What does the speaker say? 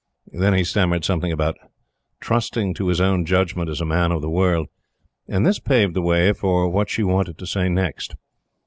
Then he stammered something about "trusting to his own judgment as a man of the world;" and this paved the way for what she wanted to say next.